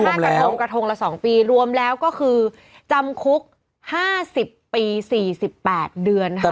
กระทงกระทงละ๒ปีรวมแล้วก็คือจำคุก๕๐ปี๔๘เดือนค่ะ